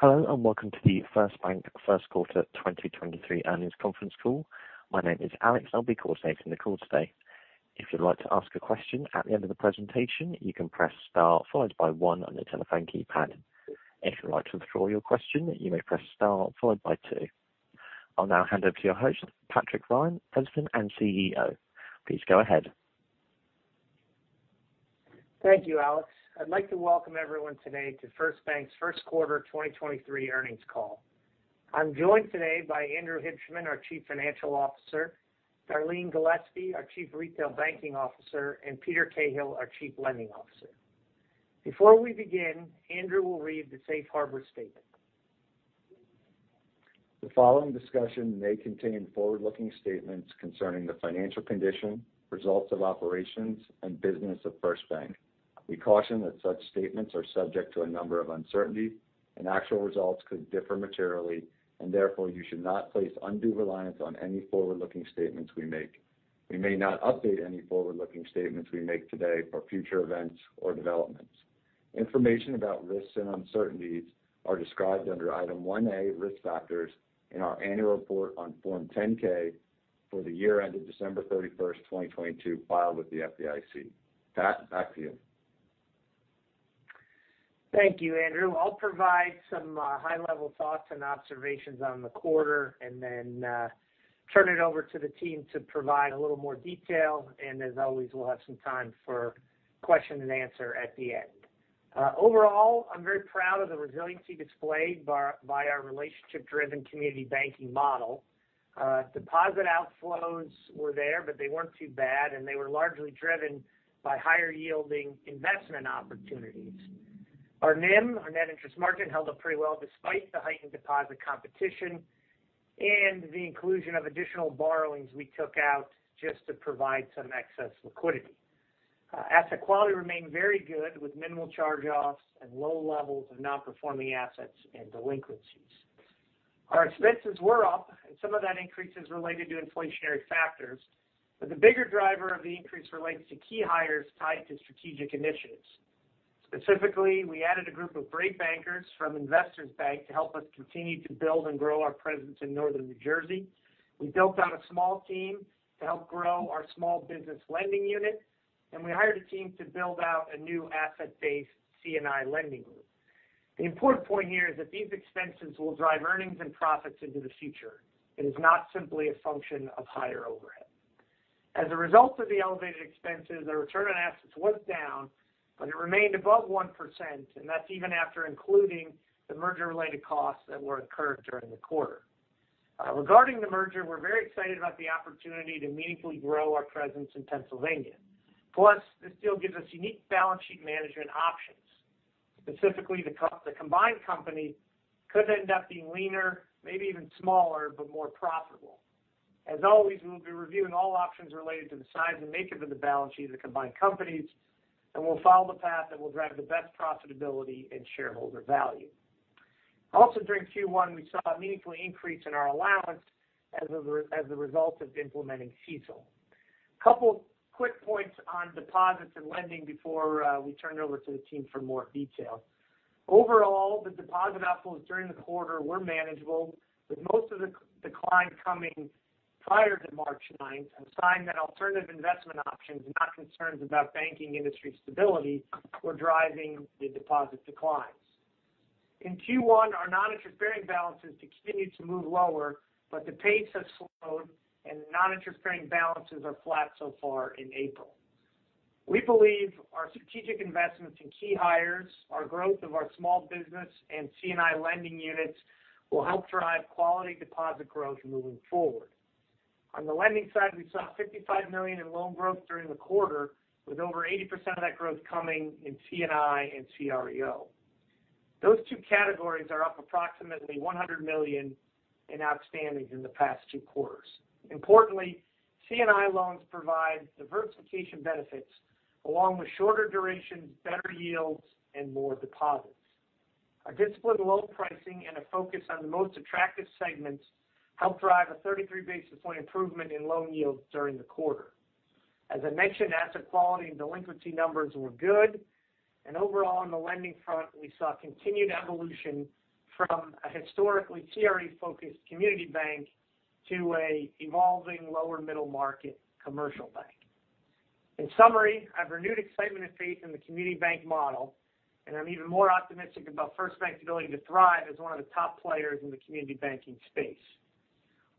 Hello, and welcome to the First Bank first quarter 2023 earnings conference call. My name is Alex. I'll be coordinating the call today. If you'd like to ask a question at the end of the presentation, you can press star followed by one on your telephone keypad. If you'd like to withdraw your question, you may press star followed by two. I'll now hand over to your host, Patrick Ryan, President and CEO. Please go ahead. Thank you, Alex. I'd like to welcome everyone today to First Bank's first quarter 2023 earnings call. I'm joined today by Andrew Hibshman, our Chief Financial Officer, Darlene Gillespie, our Chief Retail Banking Officer, and Peter Cahill, our Chief Lending Officer. Before we begin, Andrew will read the safe harbor statement. The following discussion may contain forward-looking statements concerning the financial condition, results of operations, and business of First Bank. We caution that such statements are subject to a number of uncertainties, and actual results could differ materially, and therefore, you should not place undue reliance on any forward-looking statements we make. We may not update any forward-looking statements we make today for future events or developments. Information about risks and uncertainties are described under Item 1A, Risk Factors, in our annual report on Form 10-K for the year ended December 31st, 2022, filed with the SEC. Pat, back to you. Thank you, Andrew. I'll provide some high-level thoughts and observations on the quarter and then turn it over to the team to provide a little more detail. As always, we'll have some time for question and answer at the end. Overall, I'm very proud of the resiliency displayed by our relationship-driven community banking model. Deposit outflows were there, but they weren't too bad, and they were largely driven by higher-yielding investment opportunities. Our NIM, our net interest margin, held up pretty well despite the heightened deposit competition and the inclusion of additional borrowings we took out just to provide some excess liquidity. Asset quality remained very good with minimal charge-offs and low levels of non-performing assets and delinquencies. Our expenses were up, and some of that increase is related to inflationary factors. The bigger driver of the increase relates to key hires tied to strategic initiatives. Specifically, we added a group of great bankers from Investors Bank to help us continue to build and grow our presence in Northern New Jersey. We built out a small team to help grow our small business lending unit, and we hired a team to build out a new asset-based C&I lending group. The important point here is that these expenses will drive earnings and profits into the future. It is not simply a function of higher overhead. As a result of the elevated expenses, the return on assets was down, but it remained above 1%, and that's even after including the merger-related costs that were incurred during the quarter. Regarding the merger, we're very excited about the opportunity to meaningfully grow our presence in Pennsylvania. This deal gives us unique balance sheet management options. Specifically, the combined company could end up being leaner, maybe even smaller, but more profitable. As always, we'll be reviewing all options related to the size and makeup of the balance sheet of the combined companies, and we'll follow the path that will drive the best profitability and shareholder value. During Q1, we saw a meaningful increase in our allowance as a result of implementing CECL. Couple of quick points on deposits and lending before we turn it over to the team for more detail. The deposit outflows during the quarter were manageable, with most of the decline coming prior to March 9th, a sign that alternative investment options, not concerns about banking industry stability, were driving the deposit declines. In Q1, our non-interest-bearing balances continued to move lower. The pace has slowed, and the non-interest-bearing balances are flat so far in April. We believe our strategic investments in key hires, our growth of our small business and C&I lending units will help drive quality deposit growth moving forward. On the lending side, we saw $55 million in loan growth during the quarter, with over 80% of that growth coming in C&I and CRE. Those two categories are up approximately $100 million in outstandings in the past two quarters. Importantly, C&I loans provide diversification benefits along with shorter durations, better yields, and more deposits. A disciplined loan pricing and a focus on the most attractive segments helped drive a 33 basis point improvement in loan yields during the quarter. As I mentioned, asset quality and delinquency numbers were good. Overall, on the lending front, we saw continued evolution from a historically CRE-focused community bank to an evolving lower middle market commercial bank. In summary, I have renewed excitement and faith in the community bank model, and I'm even more optimistic about First Bank's ability to thrive as one of the top players in the community banking space.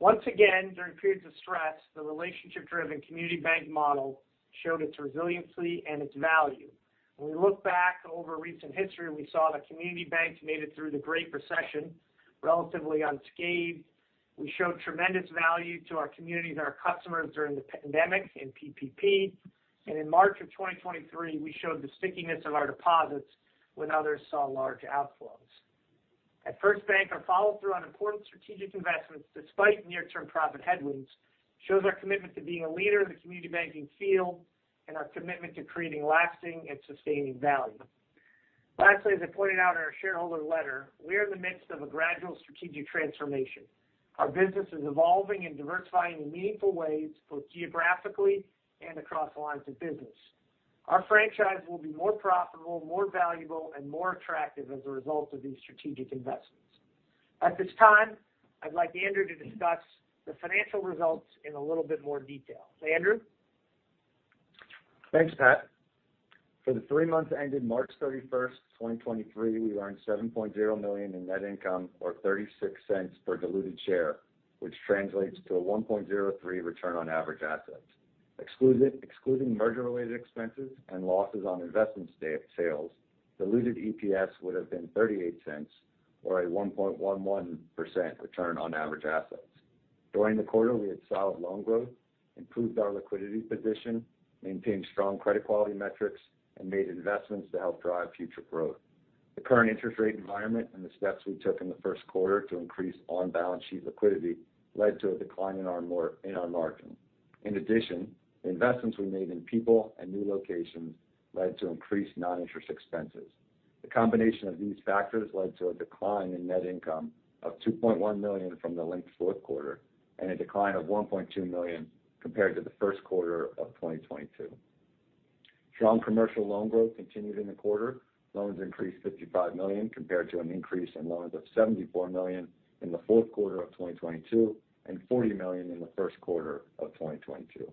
Once again, during periods of stress, the relationship-driven community bank model showed its resiliency and its value. When we look back over recent history, we saw the community banks made it through the Great Recession relatively unscathed. We showed tremendous value to our communities and our customers during the pandemic in PPP. In March of 2023, we showed the stickiness of our deposits when others saw large outflows. At First Bank, our follow-through on important strategic investments despite near-term profit headwinds shows our commitment to being a leader in the community banking field and our commitment to creating lasting and sustaining value. Lastly, as I pointed out in our shareholder letter, we are in the midst of a gradual strategic transformation. Our business is evolving and diversifying in meaningful ways, both geographically and across the lines of business. Our franchise will be more profitable, more valuable, and more attractive as a result of these strategic investments. At this time, I'd like Andrew to discuss the financial results in a little bit more detail. Andrew? Thanks, Pat. For the three months ended March 31st, 2023, we earned $7.0 million in net income or $0.36 per diluted share, which translates to a 1.03% return on average assets. Excluding merger-related expenses and losses on investment sales, diluted EPS would have been $0.38 or a 1.11% return on average assets. During the quarter, we had solid loan growth, improved our liquidity position, maintained strong credit quality metrics, and made investments to help drive future growth. The current interest rate environment and the steps we took in the first quarter to increase on-balance sheet liquidity led to a decline in our margin. The investments we made in people and new locations led to increased non-interest expenses. The combination of these factors led to a decline in net income of $2.1 million from the linked fourth quarter and a decline of $1.2 million compared to the first quarter of 2022. Strong commercial loan growth continued in the quarter. Loans increased $55 million compared to an increase in loans of $74 million in the fourth quarter of 2022 and $40 million in the first quarter of 2022.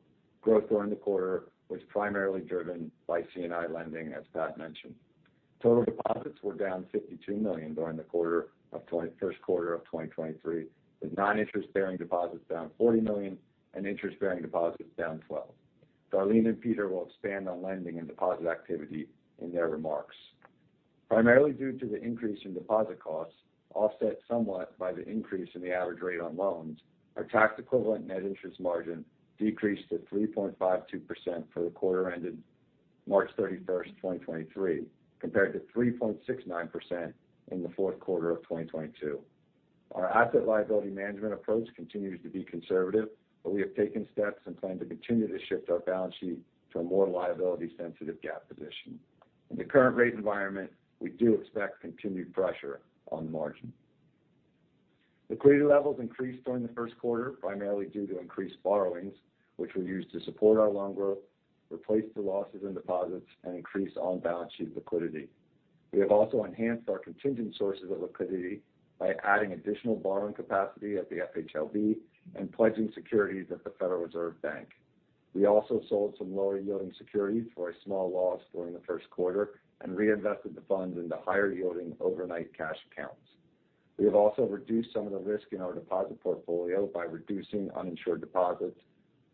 Growth during the quarter was primarily driven by C&I lending, as Pat mentioned. Total deposits were down $52 million during the first quarter of 2023, with non-interest-bearing deposits down $40 million and interest-bearing deposits down $12 million. Darlene and Peter will expand on lending and deposit activity in their remarks. Primarily due to the increase in deposit costs, offset somewhat by the increase in the average rate on loans, our tax equivalent net interest margin decreased to 3.52% for the quarter ended March 31st, 2023, compared to 3.69% in the fourth quarter of 2022. Our asset liability management approach continues to be conservative, but we have taken steps and plan to continue to shift our balance sheet to a more liability-sensitive GAAP position. In the current rate environment, we do expect continued pressure on the margin. Liquidity levels increased during the first quarter, primarily due to increased borrowings, which were used to support our loan growth, replace the losses in deposits, and increase on-balance sheet liquidity. We have also enhanced our contingent sources of liquidity by adding additional borrowing capacity at the FHLB and pledging securities at the Federal Reserve Bank. We also sold some lower-yielding securities for a small loss during the first quarter and reinvested the funds into higher-yielding overnight cash accounts. We have also reduced some of the risk in our deposit portfolio by reducing uninsured deposits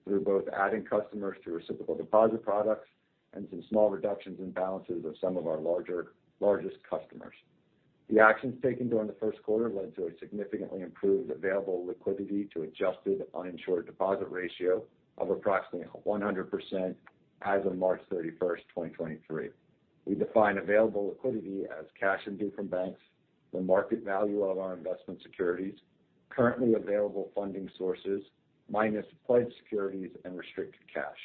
through both adding customers through reciprocal deposit products and some small reductions in balances of some of our largest customers. The actions taken during the first quarter led to a significantly improved available liquidity to adjusted uninsured deposit ratio of approximately 100% as of March 31, 2023. We define available liquidity as cash and due from banks, the market value of our investment securities, currently available funding sources minus pledged securities and restricted cash.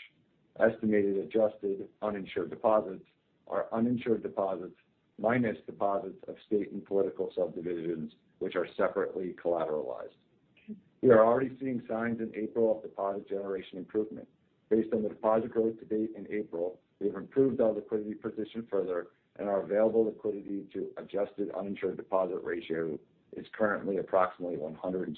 Estimated adjusted uninsured deposits are uninsured deposits minus deposits of state and political subdivisions, which are separately collateralized. We are already seeing signs in April of deposit generation improvement. Based on the deposit growth to date in April, we have improved our liquidity position further and our available liquidity to adjusted uninsured deposit ratio is currently approximately 106%.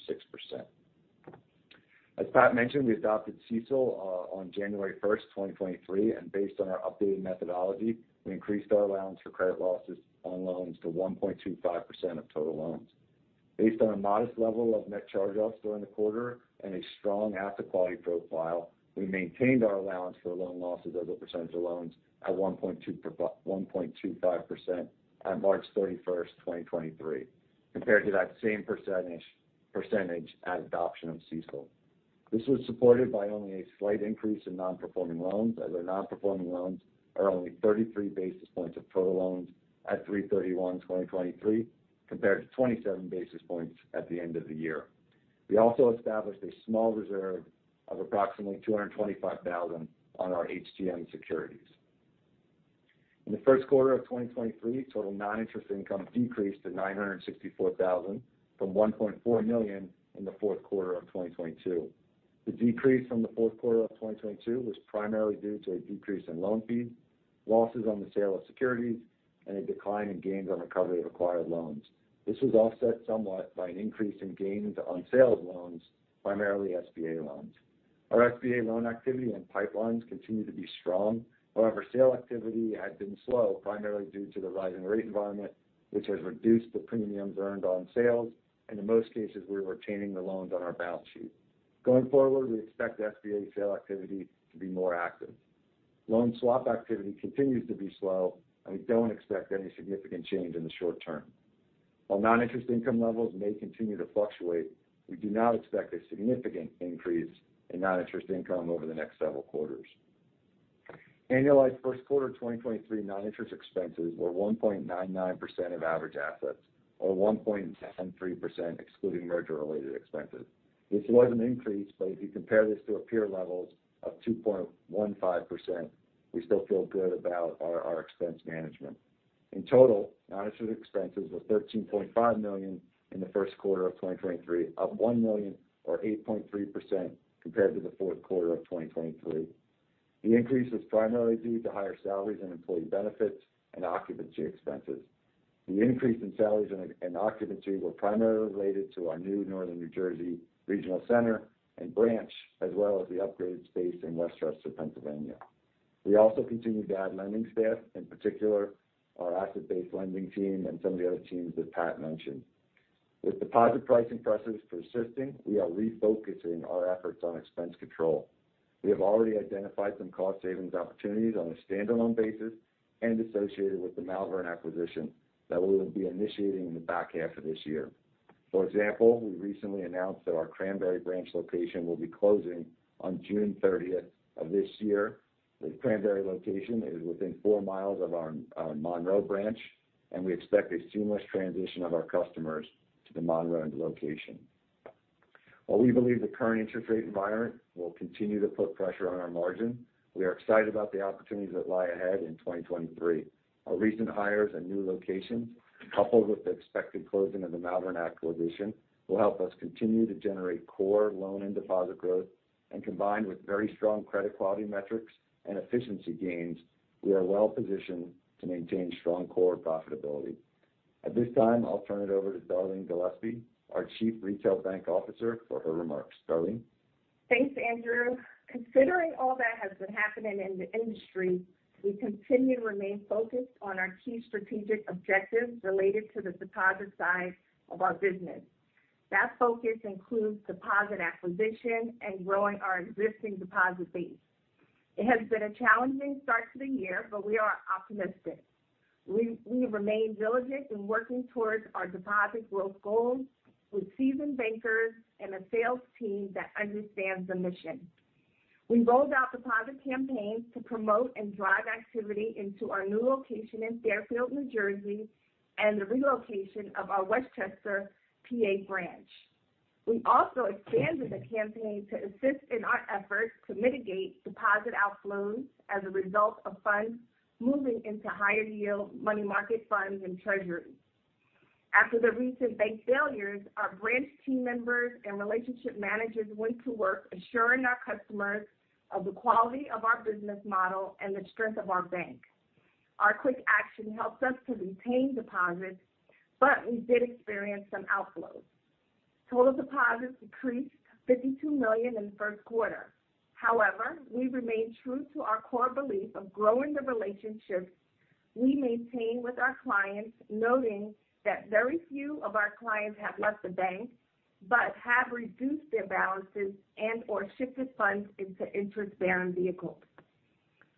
As Pat mentioned, we adopted CECL on January 1st, 2023, and based on our updated methodology, we increased our allowance for credit losses on loans to 1.25% of total loans. Based on a modest level of net charge-offs during the quarter and a strong asset quality profile, we maintained our allowance for loan losses as a percentage of loans at 1.25% at March 31, 2023, compared to that same percentage at adoption of CECL. This was supported by only a slight increase in non-performing loans, as our non-performing loans are only 33-basis-points of total loans at 3/31/2023, compared to 27 basis points at the end of the year. We also established a small reserve of approximately $225,000 on our HTM securities. In the first quarter of 2023, total non-interest income decreased to $964,000 from $1.4 million in the fourth quarter of 2022. The decrease from the fourth quarter of 2022 was primarily due to a decrease in loan fees, losses on the sale of securities, and a decline in gains on recovery of acquired loans. This was offset somewhat by an increase in gains on sale of loans, primarily SBA loans. Our SBA loan activity and pipelines continue to be strong. However, sale activity has been slow, primarily due to the rising rate environment, which has reduced the premiums earned on sales, and in most cases, we're retaining the loans on our balance sheet. Going forward, we expect SBA sale activity to be more active. Loan swap activity continues to be slow, and we don't expect any significant change in the short term. While non-interest income levels may continue to fluctuate, we do not expect a significant increase in non-interest income over the next several quarters. Annualized first quarter of 2023 non-interest expenses were 1.99% of average assets, or 1.03% excluding merger-related expenses. This was an increase, but if you compare this to our peer levels of 2.15%, we still feel good about our expense management. In total, non-interest expenses were $13.5 million in the first quarter of 2023, up $1 million or 8.3% compared to the fourth quarter of 2022. The increase was primarily due to higher salaries and employee benefits and occupancy expenses. The increase in salaries and occupancy were primarily related to our new Northern New Jersey regional center and branch, as well as the upgraded space in West Chester, Pennsylvania. We also continued to add lending staff, in particular our asset-based lending team and some of the other teams that Pat mentioned. With deposit pricing pressures persisting, we are refocusing our efforts on expense control. We have already identified some cost savings opportunities on a standalone basis and associated with the Malvern acquisition that we will be initiating in the back half of this year. For example, we recently announced that our Cranbury branch location will be closing on June 30th of this year. The Cranbury location is within four miles of our Monroe branch, and we expect a seamless transition of our customers to the Monroe location. While we believe the current interest rate environment will continue to put pressure on our margin, we are excited about the opportunities that lie ahead in 2023. Our recent hires and new locations, coupled with the expected closing of the Malvern acquisition, will help us continue to generate core loan and deposit growth. Combined with very strong credit quality metrics and efficiency gains, we are well-positioned to maintain strong core profitability. At this time, I'll turn it over to Darlene Gillespie, our Chief Retail Banking Officer, for her remarks. Darlene? Thanks, Andrew. Considering all that has been happening in the industry, we continue to remain focused on our key strategic objectives related to the deposit side of our business. That focus includes deposit acquisition and growing our existing deposit base. It has been a challenging start to the year. We are optimistic. We have remained diligent in working towards our deposit growth goals with seasoned bankers and a sales team that understands the mission. We rolled out deposit campaigns to promote and drive activity into our new location in Fairfield, New Jersey, and the relocation of our West Chester, Pennsylvania branch. We also expanded the campaign to assist in our efforts to mitigate deposit outflows as a result of funds moving into higher-yield money market funds and treasuries. After the recent bank failures, our branch team members and relationship managers went to work assuring our customers of the quality of our business model and the strength of our bank. Our quick action helped us to retain deposits, we did experience some outflows. Total deposits decreased $52 million in the first quarter. We remain true to our core belief of growing the relationships we maintain with our clients, noting that very few of our clients have left the bank but have reduced their balances and/or shifted funds into interest-bearing vehicles.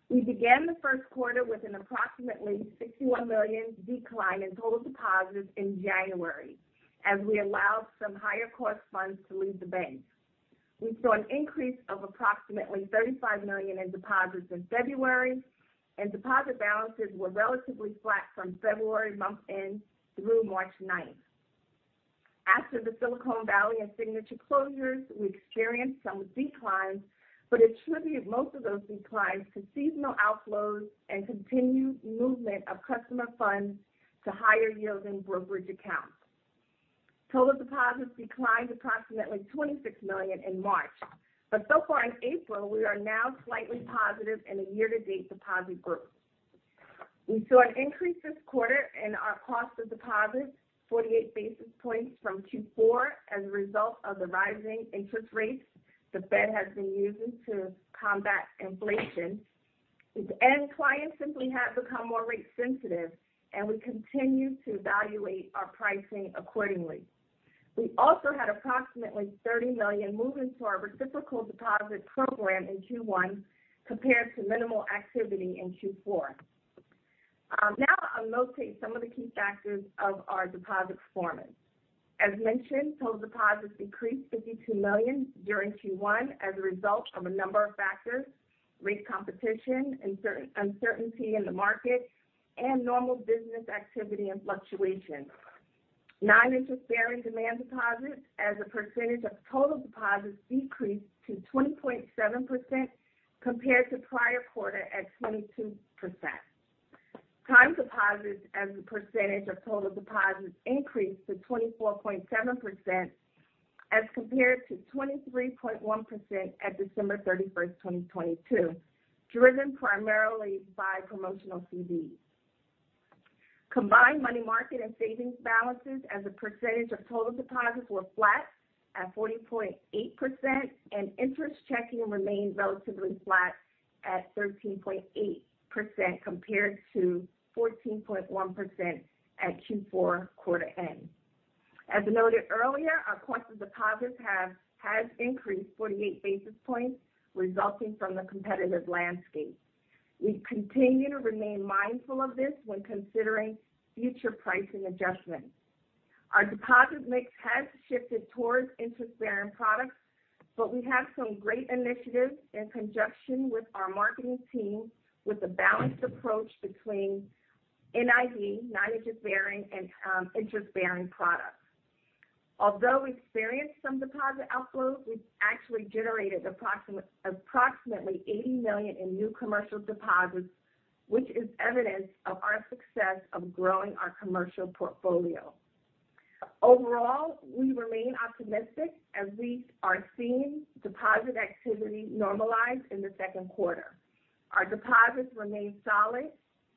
We began the first quarter with an approximately $61 million decline in total deposits in January as we allowed some higher-cost funds to leave the bank. We saw an increase of approximately $35 million in deposits in February, deposit balances were relatively flat from February month-end through March 9th. After the Silicon Valley Bank and Signature Bank closures, we experienced some declines, attributed most of those declines to seasonal outflows and continued movement of customer funds to higher-yielding brokerage accounts. Total deposits declined approximately $26 million in March. So far in April, we are now slightly positive in the year-to-date deposit growth. We saw an increase this quarter in our cost of deposits 48 basis points from Q4 as a result of the rising interest rates the Fed has been using to combat inflation. End clients simply have become more rate sensitive. We continue to evaluate our pricing accordingly. We also had approximately $30 million move into our reciprocal deposit program in Q1 compared to minimal activity in Q4. Now I'll note some of the key factors of our deposit performance. As mentioned, total deposits decreased $52 million during Q1 as a result of a number of factors: rate competition, uncertainty in the market, and normal business activity and fluctuations. Non-interest bearing demand deposits as a percentage of total deposits decreased to 20.7% compared to prior quarter at 22%. Time deposits as a percentage of total deposits increased to 24.7% as compared to 23.1% at December 31st, 2022, driven primarily by promotional CDs. Combined money market and savings balances as a percentage of total deposits were flat at 40.8%. Interest checking remained relatively flat at 13.8% compared to 14.1% at Q4 quarter-end. As noted earlier, our cost of deposits has increased 48 basis points resulting from the competitive landscape. We continue to remain mindful of this when considering future pricing adjustments. Our deposit mix has shifted towards interest-bearing products, but we have some great initiatives in conjunction with our marketing team with a balanced approach between NIB, non-interest bearing, and interest-bearing products. Although we experienced some deposit outflows, we actually generated approximately $80 million in new commercial deposits, which is evidence of our success of growing our commercial portfolio. Overall, we remain optimistic as we are seeing deposit activity normalize in the second quarter. Our deposits remain solid.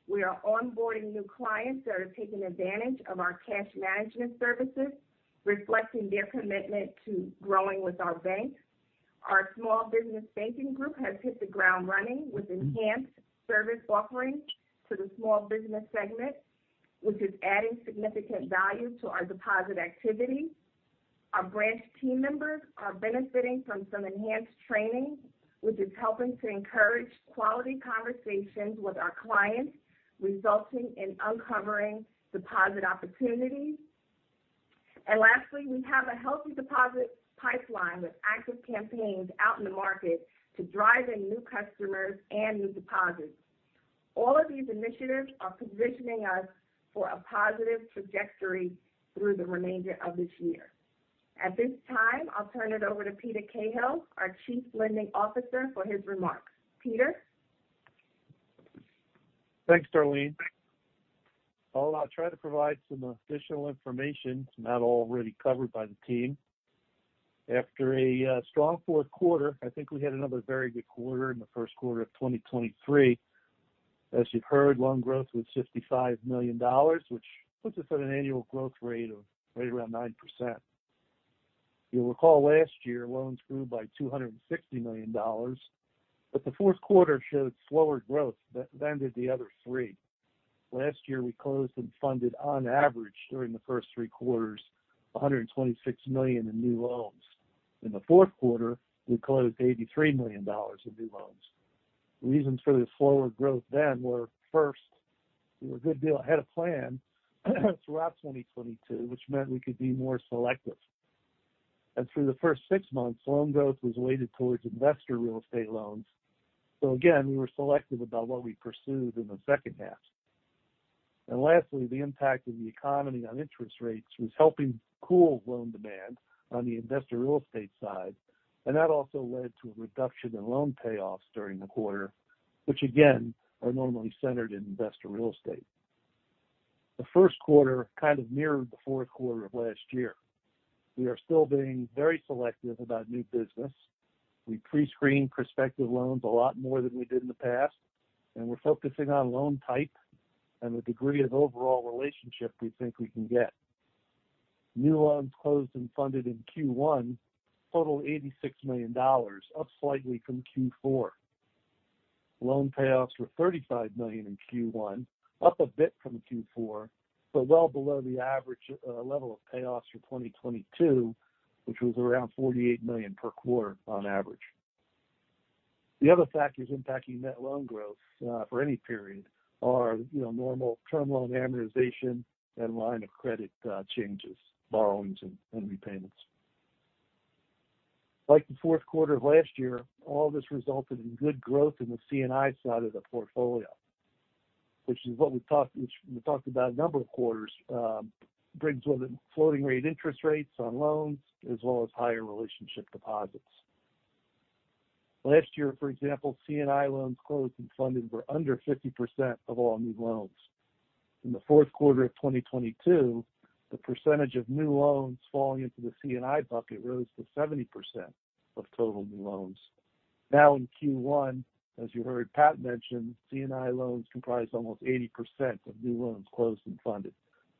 We are onboarding new clients that are taking advantage of our cash management services, reflecting their commitment to growing with our bank. Our small business banking group has hit the ground running with enhanced service offering to the small business segment, which is adding significant value to our deposit activity. Our branch team members are benefiting from some enhanced training, which is helping to encourage quality conversations with our clients, resulting in uncovering deposit opportunities. Lastly, we have a healthy deposit pipeline with active campaigns out in the market to drive in new customers and new deposits. All of these initiatives are positioning us for a positive trajectory through the remainder of this year. At this time, I'll turn it over to Peter Cahill, our Chief Lending Officer, for his remarks. Peter? Thanks, Darlene. I'll try to provide some additional information not already covered by the team. After a strong fourth quarter, I think we had another very good quarter in the first quarter of 2023. As you've heard, loan growth was $55 million, which puts us at an annual growth rate of right around 9%. You'll recall last year, loans grew by $260 million, but the fourth quarter showed slower growth than did the other three. Last year, we closed and funded on average during the first three quarters, $126 million in new loans. In the fourth quarter, we closed $83 million in new loans. The reasons for the slower growth then were, first, we were a good deal ahead of plan throughout 2022, which meant we could be more selective. Through the first six months, loan growth was weighted towards investor real estate loans. Again, we were selective about what we pursued in the second half. Lastly, the impact of the economy on interest rates was helping cool loan demand on the investor real estate side, and that also led to a reduction in loan payoffs during the quarter, which again, are normally centered in investor real estate. The first quarter kind of mirrored the fourth quarter of last year. We are still being very selective about new business. We prescreen prospective loans a lot more than we did in the past, and we're focusing on loan type and the degree of overall relationship we think we can get. New loans closed and funded in Q1 total $86 million, up slightly from Q4. Loan payoffs were $35 million in Q1, up a bit from Q4, but well below the average level of payoffs for 2022, which was around $48 million per quarter on average. The other factors impacting net loan growth for any period are, you know, normal term loan amortization and line of credit changes, borrowings and repayments. Like the fourth quarter of last year, all this resulted in good growth in the C&I side of the portfolio, which we talked about a number of quarters, brings with it floating rate interest rates on loans as well as higher relationship deposits. Last year, for example, C&I loans closed and funded were under 50% of all new loans. In the fourth quarter of 2022, the percentage of new loans falling into the C&I bucket rose to 70% of total new loans. In Q1, as you heard Pat mention, C&I loans comprise almost 80%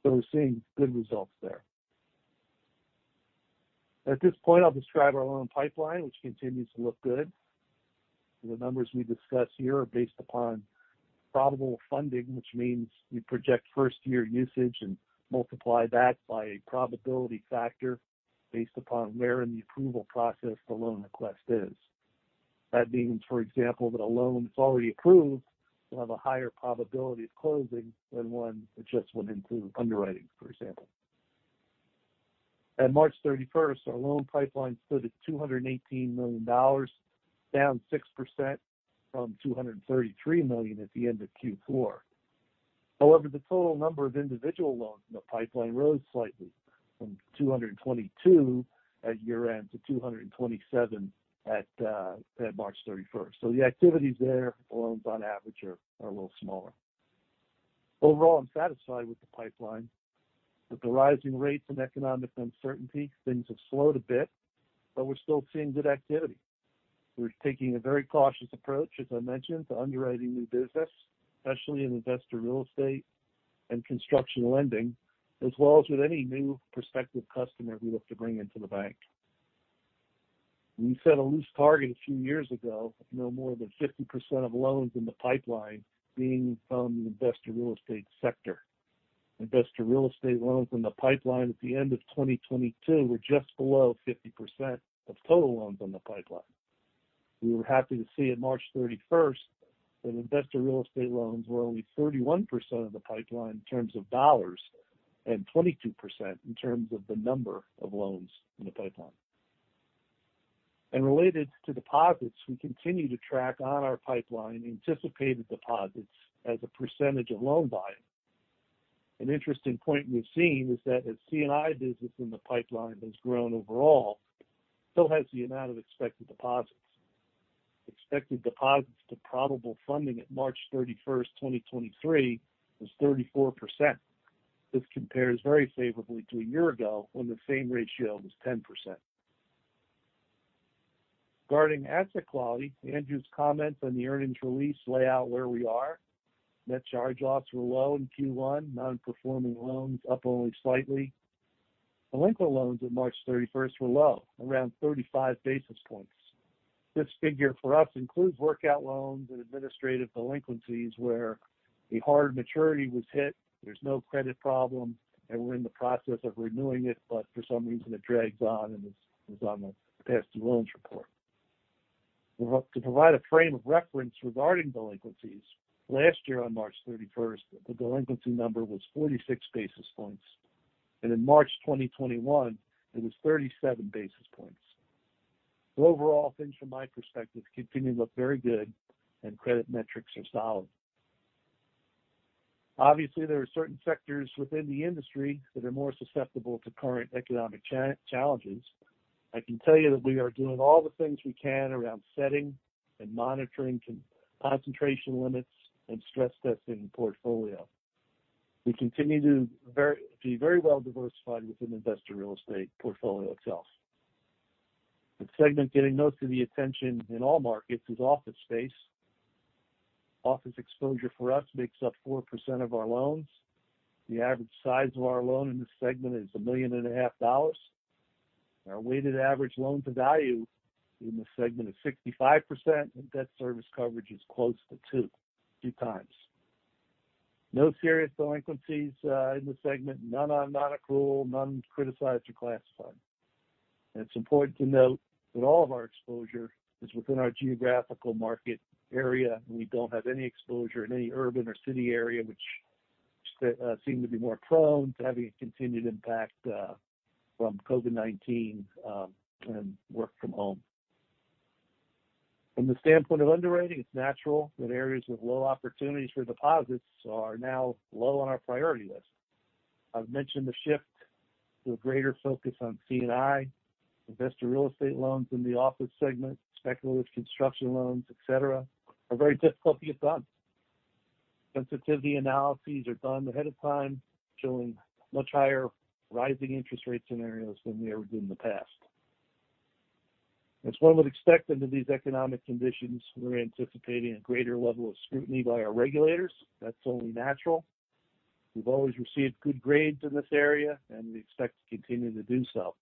of new loans closed and funded. We're seeing good results there. At this point, I'll describe our loan pipeline, which continues to look good. The numbers we discuss here are based upon probable funding, which means we project first year usage and multiply that by a probability factor based upon where in the approval process the loan request is. Means, for example, that a loan that's already approved will have a higher probability of closing than one that just went into underwriting, for example. At March 31st, our loan pipeline stood at $218 million, down 6% from $233 million at the end of Q4. The total number of individual loans in the pipeline rose slightly from 222 at year-end to 227 at March 31st. The activity is there, loans on average are a little smaller. I'm satisfied with the pipeline. With the rising rates and economic uncertainty, things have slowed a bit, but we're still seeing good activity. We're taking a very cautious approach, as I mentioned, to underwriting new business, especially in investor real estate and construction lending, as well as with any new prospective customer we look to bring into the bank. We set a loose target a few years ago, no more than 50% of loans in the pipeline being from the investor real estate sector. Investor real estate loans in the pipeline at the end of 2022 were just below 50% of total loans on the pipeline. We were happy to see on March 31st that investor real estate loans were only 31% of the pipeline in terms of dollars and 22% in terms of the number of loans in the pipeline. Related to deposits, we continue to track on our pipeline anticipated deposits as a percentage of loan buying. An interesting point we've seen is that as C&I business in the pipeline has grown overall, so has the amount of expected deposits. Expected deposits to probable funding at March 31st, 2023 was 34%. This compares very favorably to a year ago when the same ratio was 10%. Regarding asset quality, Andrew's comments on the earnings release lay out where we are. Net charge-offs were low in Q1, non-performing loans up only slightly. Delinquent loans at March 31st were low, around 35 basis points. This figure for us includes workout loans and administrative delinquencies where a hard maturity was hit. There's no credit problem, we're in the process of renewing it, for some reason it drags on and is on the past-due loans report. To provide a frame of reference regarding delinquencies, last year on March 31st, the delinquency number was 46 basis points. In March 2021 it was 37 basis points. Overall, things from my perspective continue to look very good and credit metrics are solid. Obviously, there are certain sectors within the industry that are more susceptible to current economic challenges. I can tell you that we are doing all the things we can around setting and monitoring concentration limits and stress testing the portfolio. We continue to be very well diversified within investor real estate portfolio itself. The segment getting most of the attention in all markets is office space. Office exposure for us makes up 4% of our loans. The average size of our loan in this segment is $1.5 million. Our weighted average loan-to-value in this segment is 65%, and debt service coverage is close to 2x. No serious delinquencies in the segment. None are nonaccrual, none criticized or classified. It's important to note that all of our exposure is within our geographical market area. We don't have any exposure in any urban or city area which seem to be more prone to having a continued impact from COVID-19 and work from home. From the standpoint of underwriting, it's natural that areas with low opportunities for deposits are now low on our priority list. I've mentioned the shift to a greater focus on C&I. Investor real estate loans in the office segment, speculative construction loans, et cetera, are very difficult to get done. Sensitivity analyses are done ahead of time, showing much higher rising interest rate scenarios than we ever did in the past. One would expect under these economic conditions, we're anticipating a greater level of scrutiny by our regulators. That's only natural. We've always received good grades in this area, and we expect to continue to do so.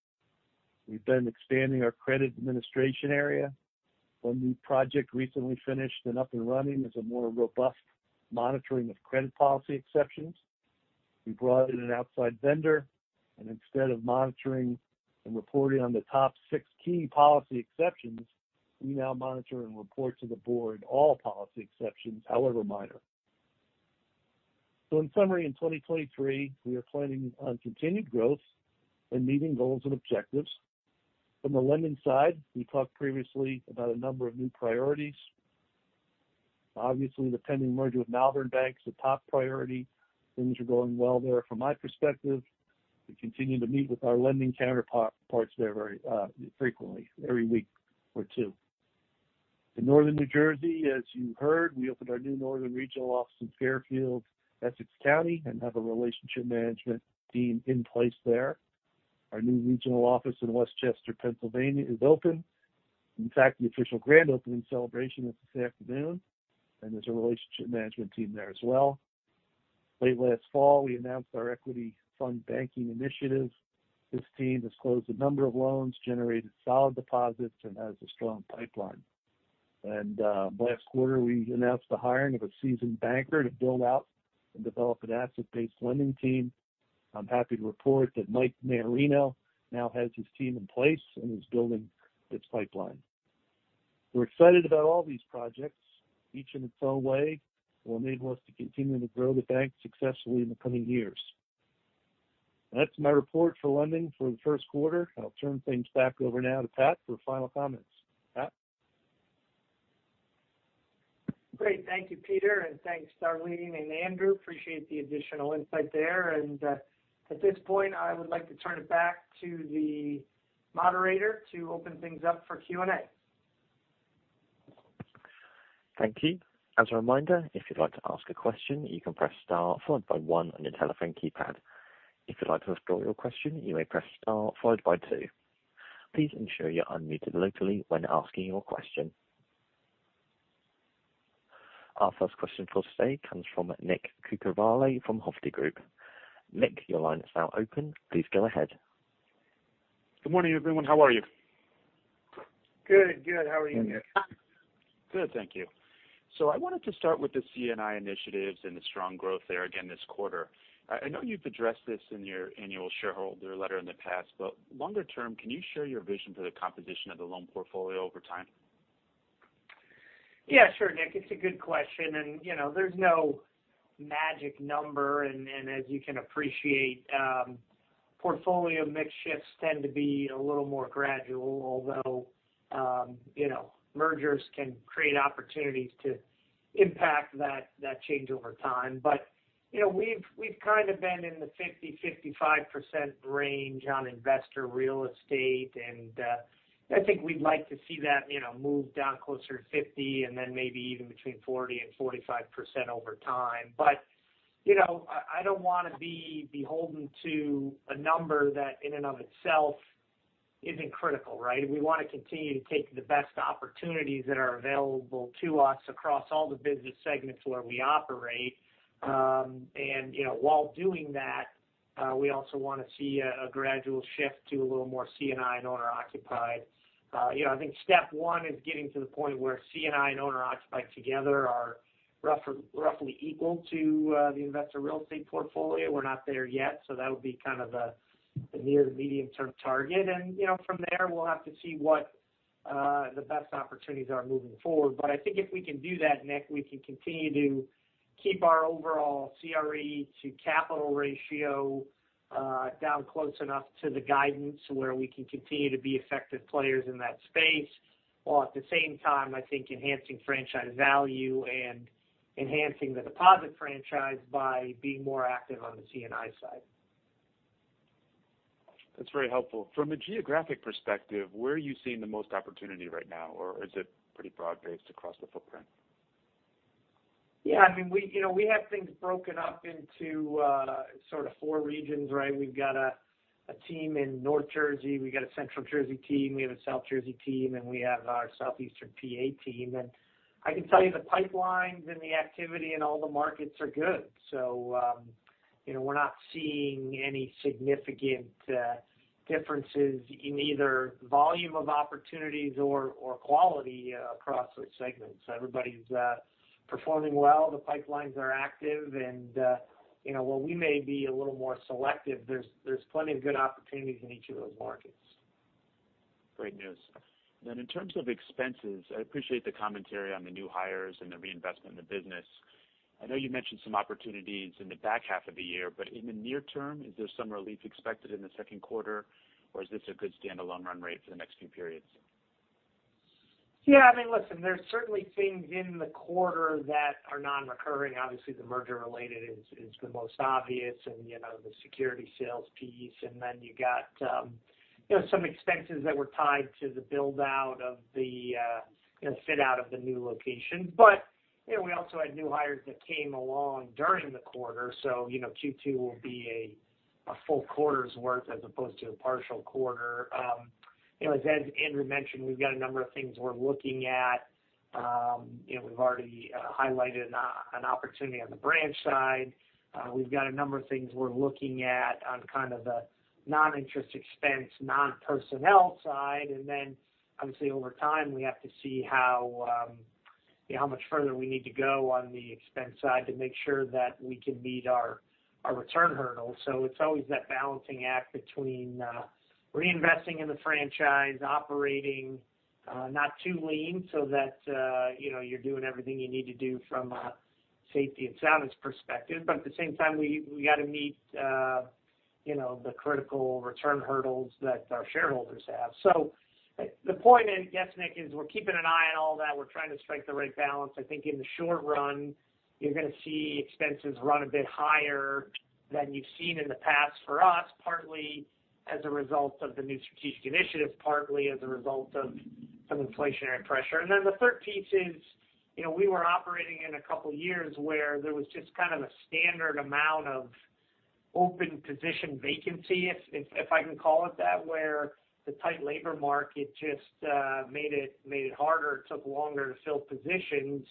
We've been expanding our credit administration area. One new project recently finished and up and running is a more robust monitoring of credit policy exceptions. We brought in an outside vendor, instead of monitoring and reporting on the top six key policy exceptions, we now monitor and report to the board all policy exceptions, however minor. In summary, in 2023, we are planning on continued growth and meeting goals and objectives. From the lending side, we talked previously about a number of new priorities. Obviously, the pending merger with Malvern Bank is a top priority. Things are going well there from my perspective. We continue to meet with our lending counterparts there very frequently, every week or two. In Northern New Jersey, as you heard, we opened our new Northern regional office in Fairfield, Essex County, and have a relationship management team in place there. Our new regional office in West Chester, Pennsylvania is open. In fact, the official grand opening celebration is this afternoon, and there's a relationship management team there as well. Late last fall, we announced our Equity Fund Banking initiative. This team has closed a number of loans, generated solid deposits, and has a strong pipeline. Last quarter, we announced the hiring of a seasoned banker to build out and develop an asset-based lending team. I'm happy to report that Mike Marino now has his team in place and is building its pipeline. We're excited about all these projects. Each in its own way will enable us to continue to grow the bank successfully in the coming years. That's my report for lending for the first quarter. I'll turn things back over now to Pat for final comments. Pat? Great. Thank you, Peter, and thanks, Darlene and Andrew. Appreciate the additional insight there. At this point, I would like to turn it back to the moderator to open things up for Q&A. Thank you. As a reminder, if you'd like to ask a question, you can press star followed by one on your telephone keypad. If you'd like to withdraw your question, you may press star followed by two. Please ensure you're unmuted locally when asking your question. Our first question for today comes from Nick Cucharale from Hovde Group. Nick, your line is now open. Please go ahead. Good morning, everyone. How are you? Good. Good. How are you, Nick? Good. Thank you. I wanted to start with the C&I initiatives and the strong growth there again this quarter. I know you've addressed this in your annual shareholder letter in the past, but longer term, can you share your vision for the composition of the loan portfolio over time? Yeah, sure, Nick, it's a good question. You know, there's no magic number. As you can appreciate, portfolio mix shifts tend to be a little more gradual, although, you know, mergers can create opportunities to impact that change over time. You know, we've kind of been in the 50%-55% range on investor real estate, and I think we'd like to see that, you know, move down closer to 50 and then maybe even between 40%-45% over time. You know, I don't wanna be beholden to a number that in and of itself isn't critical, right? We wanna continue to take the best opportunities that are available to us across all the business segments where we operate. You know, while doing that, we also wanna see a gradual shift to a little more C&I and owner-occupied. You know, I think step one is getting to the point where C&I and owner-occupied together are roughly equal to the investor real estate portfolio. We're not there yet, that'll be kind of a near to medium term target. You know, from there, we'll have to see what the best opportunities are moving forward. I think if we can do that, Nick, we can continue to keep our overall CRE to capital ratio down close enough to the guidance where we can continue to be effective players in that space. While at the same time, I think enhancing franchise value and enhancing the deposit franchise by being more active on the C&I side. That's very helpful. From a geographic perspective, where are you seeing the most opportunity right now? Or is it pretty broad-based across the footprint? Yeah. I mean, we, you know, we have things broken up into, sort of four regions, right? We've got a team in North Jersey, we got a Central Jersey team, we have a South Jersey team, and we have our Southeastern PA team. I can tell you the pipelines and the activity in all the markets are good. You know, we're not seeing any significant differences in either volume of opportunities or quality across those segments. Everybody's performing well, the pipelines are active and, you know, while we may be a little more selective, there's plenty of good opportunities in each of those markets. Great news. In terms of expenses, I appreciate the commentary on the new hires and the reinvestment in the business. I know you mentioned some opportunities in the back half of the year, in the near term, is there some relief expected in the second quarter, or is this a good standalone run rate for the next few periods? Yeah. I mean, listen, there's certainly things in the quarter that are non-recurring. Obviously, the merger-related is the most obvious. You know, the security sales piece. Then you got, you know, some expenses that were tied to the build-out of the, you know, fit out of the new location. You know, we also had new hires that came along during the quarter, so, you know, Q2 will be a full quarter's worth as opposed to a partial quarter. You know, as Andrew mentioned, we've got a number of things we're looking at. You know, we've already highlighted an opportunity on the branch side. We've got a number of things we're looking at on kind of the non-interest expense, non-personnel side. Obviously over time, we have to see how, you know, how much further we need to go on the expense side to make sure that we can meet our return hurdle. It's always that balancing act between reinvesting in the franchise, operating not too lean so that, you know, you're doing everything you need to do from a safety and soundness perspective. At the same time, we gotta meet, you know, the critical return hurdles that our shareholders have. The point is, yes, Nick, is we're keeping an eye on all that. We're trying to strike the right balance. I think in the short run, you're gonna see expenses run a bit higher than you've seen in the past for us, partly as a result of the new strategic initiatives, partly as a result of some inflationary pressure. The third piece is, you know, we were operating in a couple years where there was just kind of a standard amount of open position vacancy, if I can call it that, where the tight labor market just made it harder. It took longer to fill positions.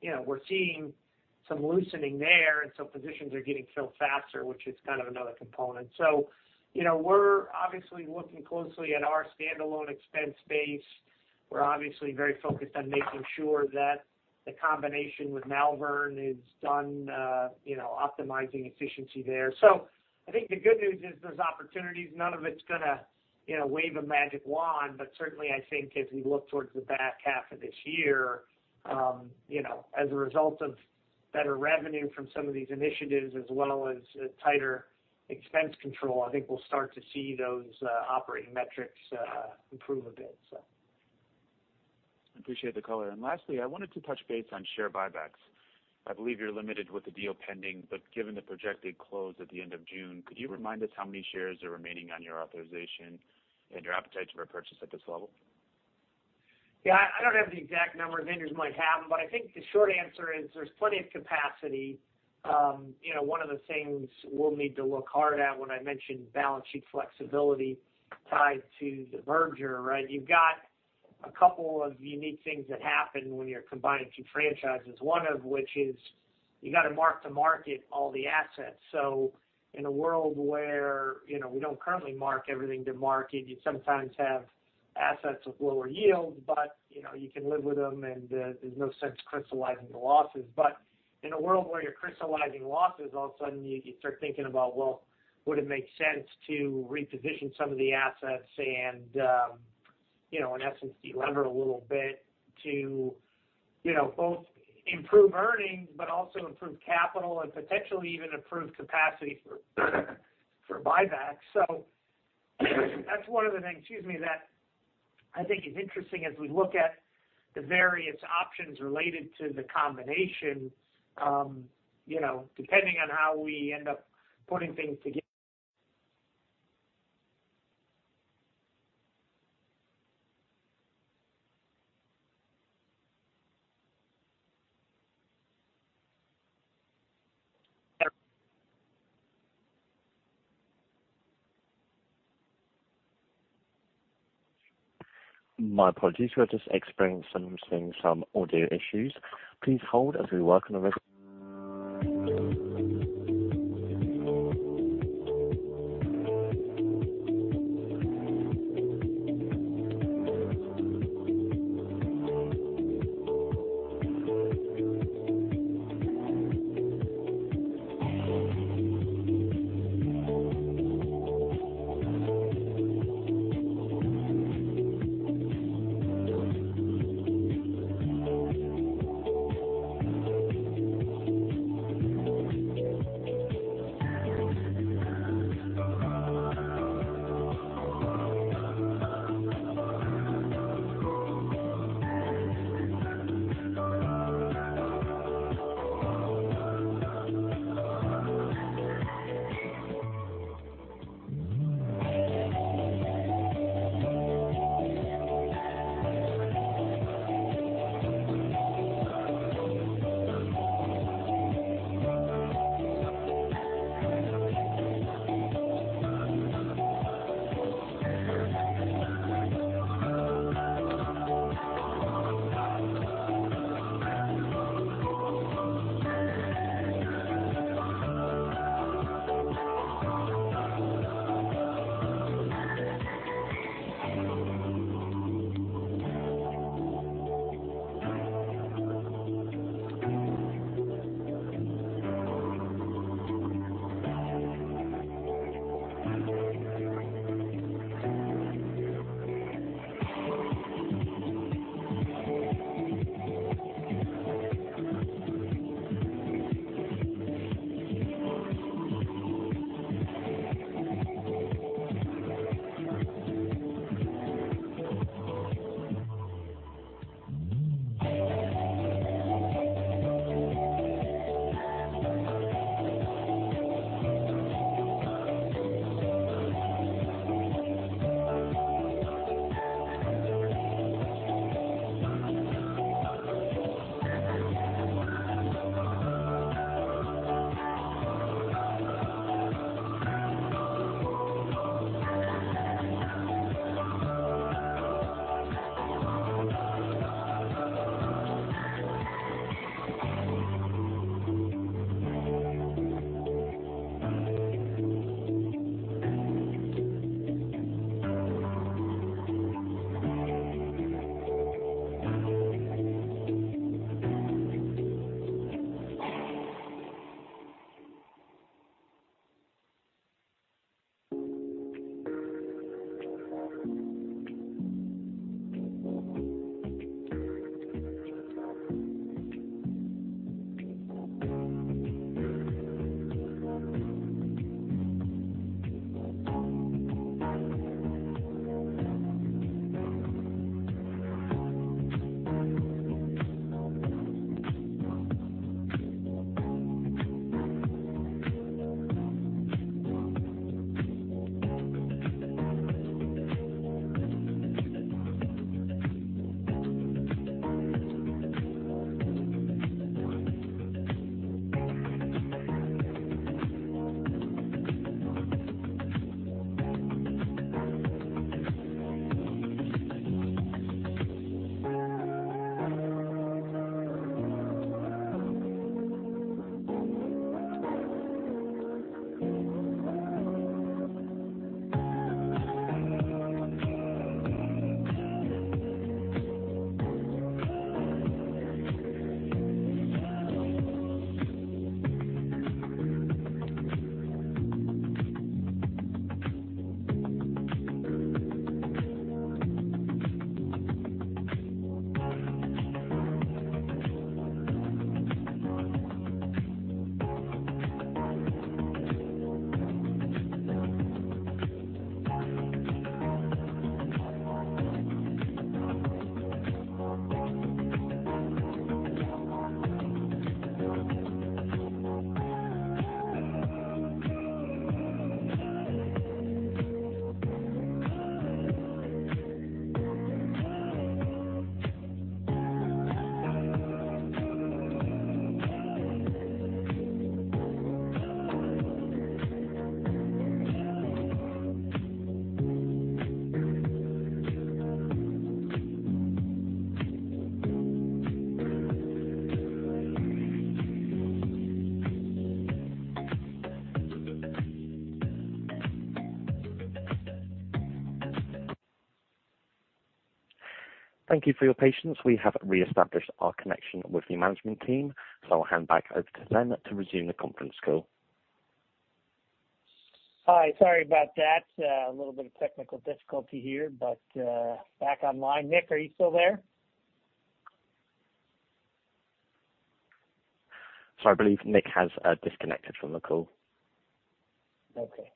You know, we're seeing some loosening there and some positions are getting filled faster, which is kind of another component. You know, we're obviously looking closely at our standalone expense base. We're obviously very focused on making sure that the combination with Malvern is done, you know, optimizing efficiency there. I think the good news is there's opportunities. None of it's gonna, you know, wave a magic wand, but certainly I think as we look towards the back half of this year, you know, as a result of better revenue from some of these initiatives as well as tighter expense control, I think we'll start to see those operating metrics improve a bit, so. I appreciate the color. Lastly, I wanted to touch base on share buybacks. I believe you're limited with the deal pending, but given the projected close at the end of June, could you remind us how many shares are remaining on your authorization and your appetite for purchase at this level? Yeah. I don't have the exact number. Andrew might have them. I think the short answer is there's plenty of capacity. You know, one of the things we'll need to look hard at when I mentioned balance sheet flexibility tied to the merger, right? You've got a couple of unique things that happen when you're combining two franchises, one of which is you gotta mark to market all the assets. In a world where, you know, we don't currently mark everything to market, you sometimes have assets with lower yields, but, you know, you can live with them and there's no sense crystallizing the losses. In a world where you're crystallizing losses, all of a sudden you start thinking about, well, would it make sense to reposition some of the assets and, you know, in essence, de-lever a little bit to, you know, both improve earnings but also improve capital and potentially even improve capacity for buybacks. That's one of the things, excuse me, that I think is interesting as we look at the various options related to the combination, you know, depending on how we end up putting things together. My apologies. We're just experiencing some audio issues. Please hold as we work on the res- Thank you for your patience. We have reestablished our connection with the management team, so I'll hand back over to Ryan to resume the conference call. Hi. Sorry about that. A little bit of technical difficulty here. Back online. Nick, are you still there? Sorry. I believe Nick has disconnected from the call. Okay.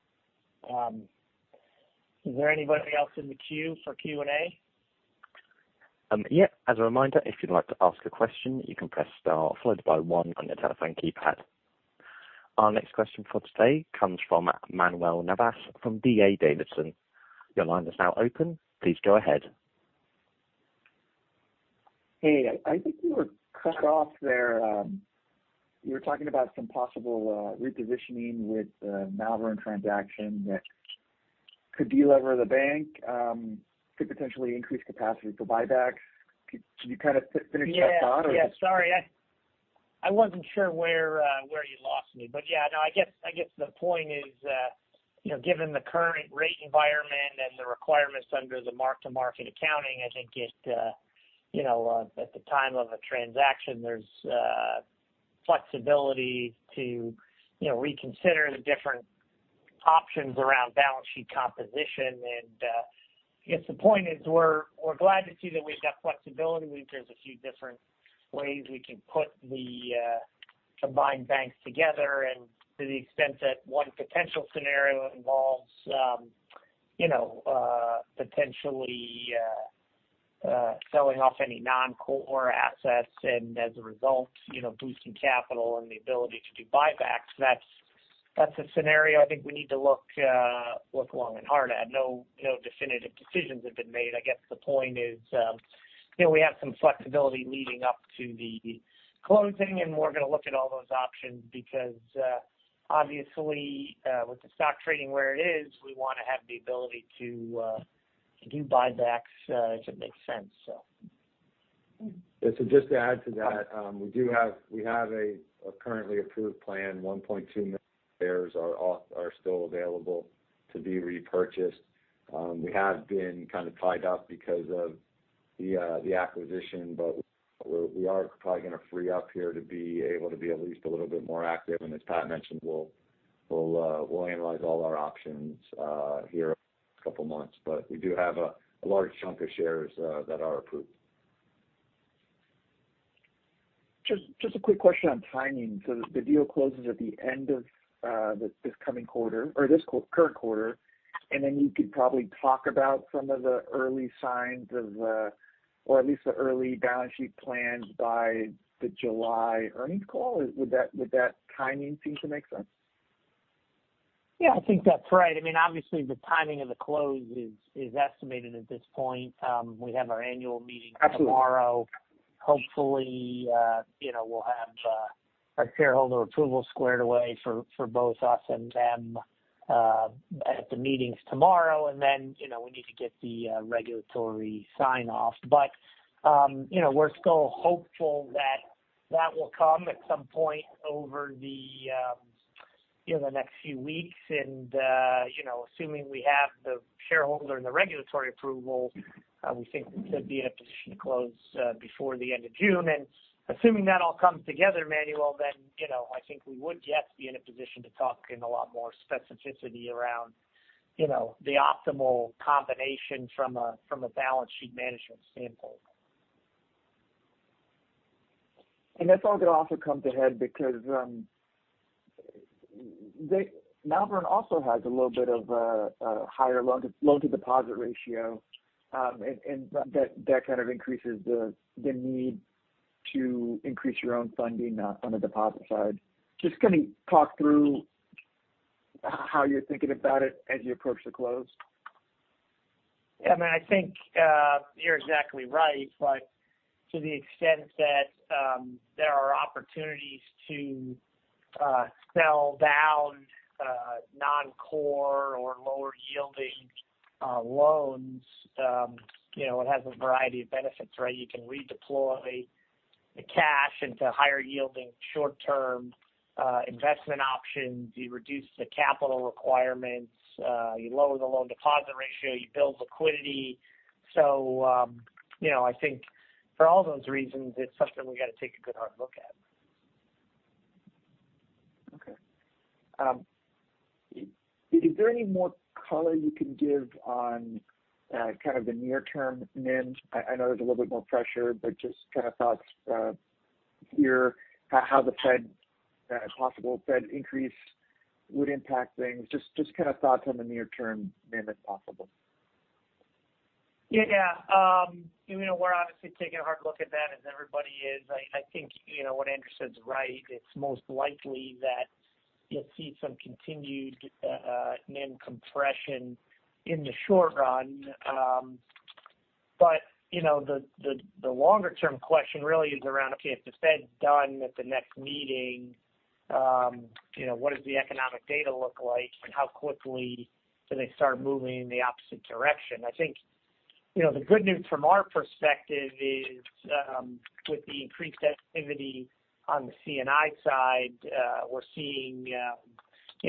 Is there anybody else in the queue for Q&A? Yeah. As a reminder, if you'd like to ask a question, you can press star followed by one on your telephone keypad. Our next question for today comes from Manuel Navas from D.A. Davidson. Your line is now open. Please go ahead. Hey, I think you were cut off there. You were talking about some possible repositioning with the Malvern transaction that could delever the bank, could potentially increase capacity for buyback. Could you kind of finish that thought? Yeah. Sorry, I wasn't sure where you lost me. Yeah, no, I guess the point is, you know, given the current rate environment and the requirements under the mark-to-market accounting, I think it, you know, at the time of a transaction, there's flexibility to, you know, reconsider the different options around balance sheet composition. I guess the point is we're glad to see that we've got flexibility. There's a few different ways we can put the combined banks together. To the extent that one potential scenario involves, you know, potentially selling off any non-core assets and as a result, you know, boosting capital and the ability to do buybacks, that's a scenario I think we need to look long and hard at. No, no definitive decisions have been made. I guess the point is, you know, we have some flexibility leading up to the closing, and we're gonna look at all those options because, obviously, with the stock trading where it is, we wanna have the ability to do buybacks, if it makes sense, so. Yeah. Just to add to that, we have a currently approved plan. 1.2 million shares are still available to be repurchased. We have been kind of tied up because of the acquisition, but we're, we are probably gonna free up here to be able to be at least a little bit more active. As Pat mentioned, we'll analyze all our options here a couple months. We do have a large chunk of shares that are approved. Just a quick question on timing. The deal closes at the end of this coming quarter or this current quarter. Then you could probably talk about some of the early signs or at least the early balance sheet plans by the July earnings call. Would that timing seem to make sense? Yeah. I think that's right. I mean, obviously the timing of the close is estimated at this point. We have our annual meeting. Absolutely. Tomorrow. Hopefully, you know, we'll have our shareholder approval squared away for both us and them at the meetings tomorrow. You know, we need to get the regulatory sign-off. You know, we're still hopeful that that will come at some point over the next few weeks. You know, assuming we have the shareholder and the regulatory approval, we think we should be in a position to close before the end of June. Assuming that all comes together, Manuel, then, you know, I think we would, yes, be in a position to talk in a lot more specificity around, you know, the optimal combination from a balance sheet management standpoint. That's all gonna also come to head because Malvern also has a little bit of a higher loan-to-deposit ratio. That kind of increases the need to increase your own funding on the deposit side. Just can you talk through how you're thinking about it as you approach the close? Yeah. I mean, I think, you're exactly right. Like to the extent that, there are opportunities to sell down non-core or lower yielding loans, you know, it has a variety of benefits, right? You can redeploy the cash into higher yielding short-term investment options. You reduce the capital requirements. You lower the loan deposit ratio. You build liquidity. You know, I think for all those reasons it's something we gotta take a good hard look at. Is there any more color you can give on kind of the near-term NIM? I know there's a little bit more pressure, but just kind of thoughts here how the Fed possible Fed increase would impact things. Just kind of thoughts on the near-term NIM, if possible. Yeah. Yeah. You know, we're obviously taking a hard look at that as everybody is. I think, you know, what Andrew said is right. It's most likely that you'll see some continued NIM compression in the short run. You know, the longer term question really is around, okay, if the Fed's done at the next meeting, you know, what does the economic data look like, and how quickly do they start moving in the opposite direction? I think, you know, the good news from our perspective is, with the increased activity on the C&I side, we're seeing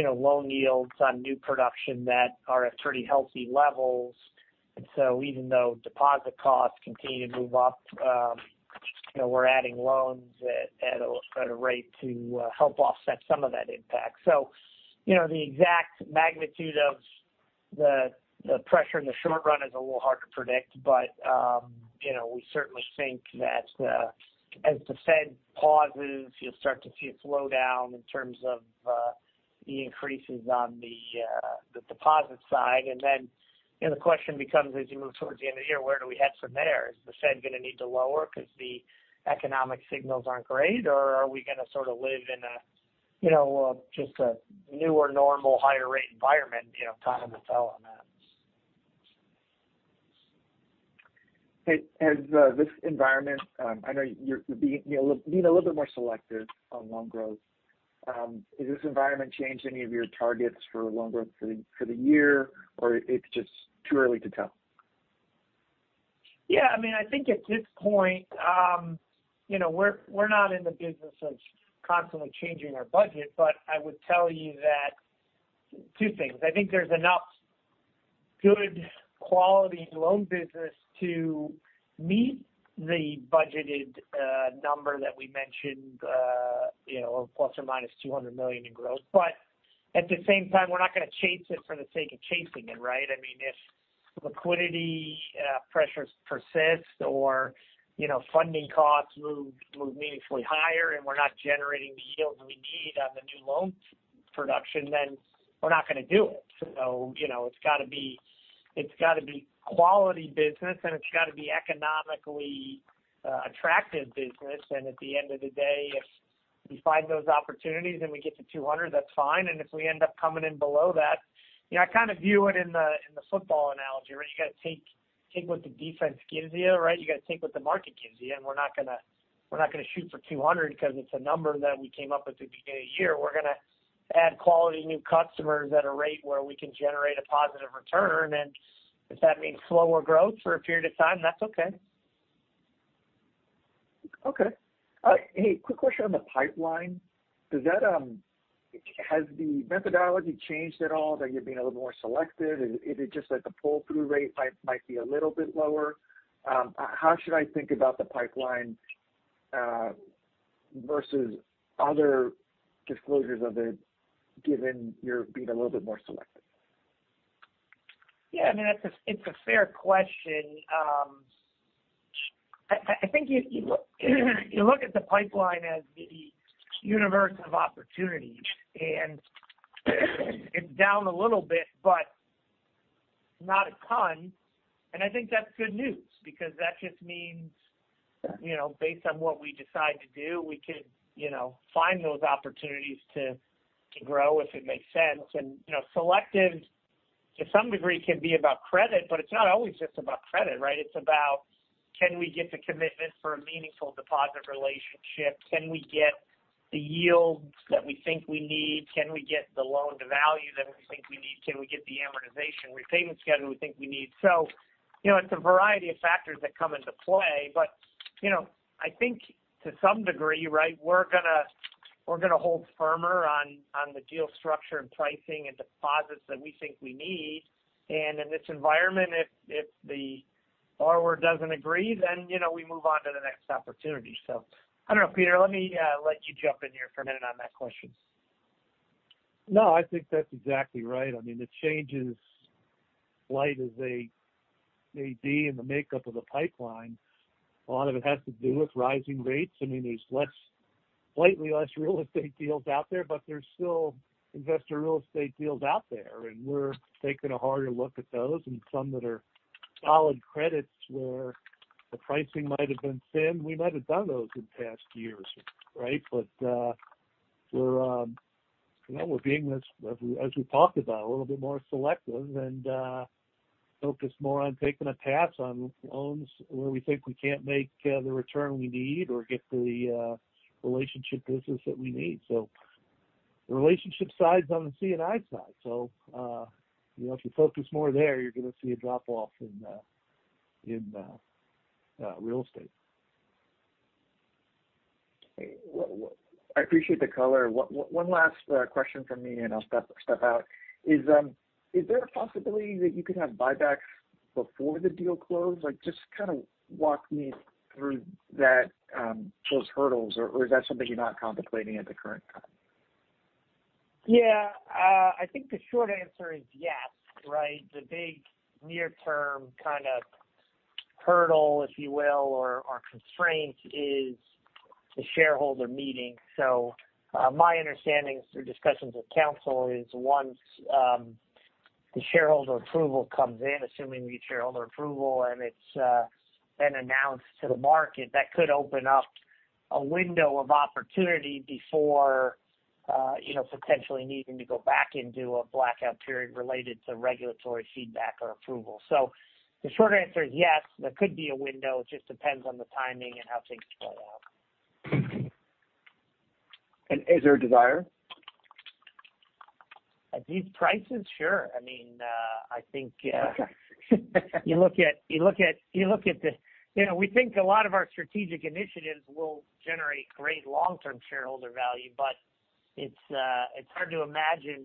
loan yields on new production that are at pretty healthy levels. Even though deposit costs continue to move up, you know, we're adding loans at a rate to help offset some of that impact. You know, the exact magnitude of the pressure in the short run is a little hard to predict. You know, we certainly think that as the Fed pauses, you'll start to see a slowdown in terms of the increases on the deposit side. Then, you know, the question becomes, as you move towards the end of the year, where do we head from there? Is the Fed gonna need to lower because the economic signals aren't great, or are we gonna sort of live in a, you know, just a newer normal higher rate environment? You know, time will tell on that. Hey, has this environment, I know you're being a little bit more selective on loan growth, changed any of your targets for loan growth for the year, or it's just too early to tell? Yeah. I mean, I think at this point, you know, we're not in the business of constantly changing our budget. I would tell you that 2 things. I think there's enough good quality loan business to meet the budgeted number that we mentioned, you know, of ±$200 million in growth. At the same time, we're not gonna chase it for the sake of chasing it, right? I mean, if liquidity pressures persist or, you know, funding costs move meaningfully higher and we're not generating the yields we need on the new loan production, then we're not gonna do it. You know, it's gotta be quality business, and it's gotta be economically attractive business. At the end of the day, if we find those opportunities and we get to $200 million, that's fine. If we end up coming in below that. You know, I kind of view it in the, in the football analogy, right? You gotta take what the defense gives you, right? You gotta take what the market gives you. We're not gonna shoot for 200 because it's a number that we came up with at the beginning of the year. We're gonna add quality new customers at a rate where we can generate a positive return. If that means slower growth for a period of time, that's okay. Okay. Hey, quick question on the pipeline. Has the methodology changed at all that you're being a little more selective? Is it just like the pull-through rate might be a little bit lower? How should I think about the pipeline versus other disclosures of it, given you're being a little bit more selective? Yeah. I mean, it's a, it's a fair question. I think if you look at the pipeline as the universe of opportunity. It's down a little bit, but not a ton. I think that's good news because that just means you know, based on what we decide to do, we could, you know, find those opportunities to grow if it makes sense. You know, selective to some degree can be about credit, but it's not always just about credit, right? It's about, can we get the commitment for a meaningful deposit relationship? Can we get the yields that we think we need? Can we get the loan-to-value that we think we need? Can we get the amortization repayment schedule we think we need? You know, it's a variety of factors that come into play. You know, I think to some degree, right, we're gonna hold firmer on the deal structure and pricing and deposits that we think we need. In this environment if the borrower doesn't agree, then, you know, we move on to the next opportunity. I don't know, Peter, let me, let you jump in here for a minute on that question. No, I think that's exactly right. I mean, the changes, light as they may be in the makeup of the pipeline, a lot of it has to do with rising rates. I mean, there's less, slightly less real estate deals out there. There's still investor real estate deals out there. We're taking a harder look at those. Some that are solid credits where the pricing might have been thin, we might have done those in past years, right? We're, you know, we're being as we talked about, a little bit more selective and focused more on taking a pass on loans where we think we can't make the return we need or get the relationship business that we need. The relationship side is on the C&I side. You know, if you focus more there, you're gonna see a drop-off in real estate. Well, I appreciate the color. One last question from me, and I'll step out. Is there a possibility that you could have buybacks before the deal close? Like, just kind of walk me through that, those hurdles, or is that something you're not contemplating at the current time? Yeah. I think the short answer is yes, right? The big near-term kind of hurdle, if you will, or constraint is the shareholder meeting. My understanding through discussions with counsel is once the shareholder approval comes in, assuming we get shareholder approval and it's been announced to the market, that could open up a window of opportunity before, you know, potentially needing to go back into a blackout period related to regulatory feedback or approval. The short answer is yes, there could be a window. It just depends on the timing and how things play out. Is there a desire? At these prices? Sure. I mean, I think, You look at the. You know, we think a lot of our strategic initiatives will generate great long-term shareholder value, but it's hard to imagine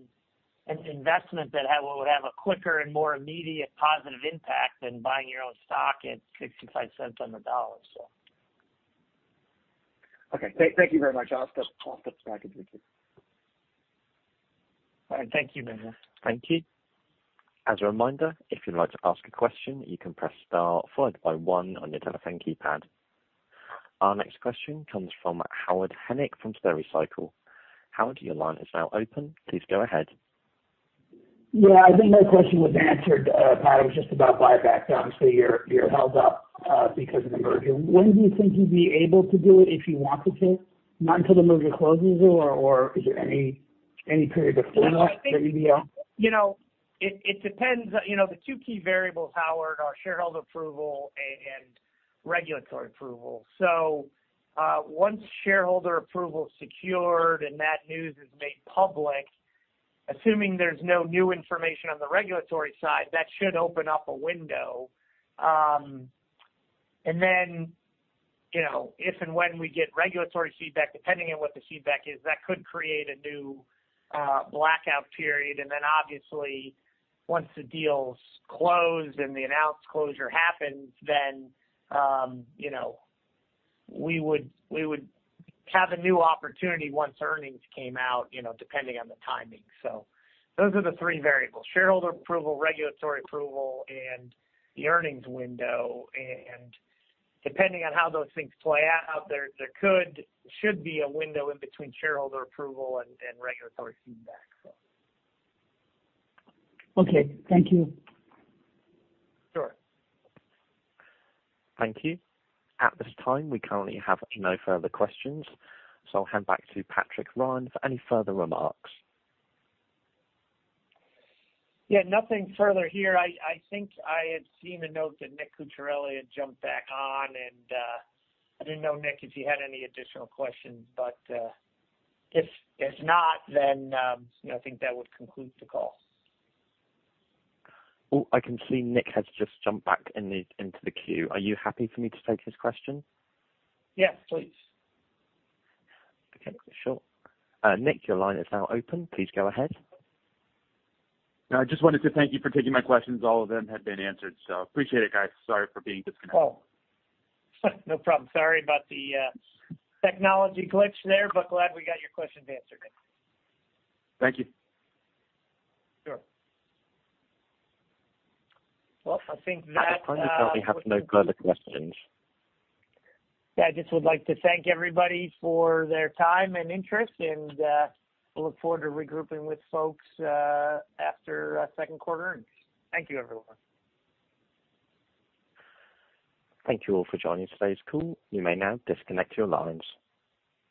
an investment that would have a quicker and more immediate positive impact than buying your own stock at $0.65 on the dollar, so. Okay. Thank you very much. I'll just back into queue. All right, thank you, Manuel. Thank you. As a reminder, if you'd like to ask a question, you can press star followed by one on your telephone keypad. Our next question comes from Howard Henick from Stericycle. Howard, your line is now open. Please go ahead. Yeah, I think my question was answered, Pat. It was just about buyback, obviously you're held up because of the merger. When do you think you'd be able to do it if you wanted to? Not until the merger closes or is there any period before that you'd be? You know, I think, you know, it depends. You know, the two key variables, Howard, are shareholder approval and regulatory approval. Once shareholder approval is secured and that news is made public, assuming there's no new information on the regulatory side, that should open up a window. Then, you know, if and when we get regulatory feedback, depending on what the feedback is, that could create a new blackout period. Then obviously, once the deal's closed and the announced closure happens, then, you know, we would have a new opportunity once earnings came out, you know, depending on the timing. Those are the three variables, shareholder approval, regulatory approval, and the earnings window. Depending on how those things play out, there should be a window in between shareholder approval and regulatory feedback, so. Okay, thank you. Sure. Thank you. At this time, we currently have no further questions, so I'll hand back to Patrick Ryan for any further remarks. Yeah, nothing further here. I think I had seen a note that Nick Cucharale jumped back on and, I didn't know Nick if he had any additional questions, but, if not, then, you know, I think that would conclude the call. Oh, I can see Nick has just jumped back into the queue. Are you happy for me to take his question? Yes, please. Okay, sure. Nick, your line is now open. Please go ahead. I just wanted to thank you for taking my questions. All of them have been answered. Appreciate it, guys. Sorry for being disconnected. Oh, no problem. Sorry about the technology glitch there, but glad we got your questions answered. Thank you. Sure. Well, I think that. At this time, we have no further questions. I just would like to thank everybody for their time and interest, and we look forward to regrouping with folks after second quarter earnings. Thank you, everyone. Thank you all for joining today's call. You may now disconnect your lines.